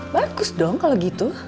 bagus dong kalau gitu